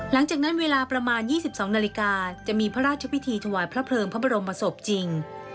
หลังจากนั้นเวลาประมาณ๒๒นาฬิกาจะมีพระราชพิธีถวายพระเพลิงพระบรมศพจริง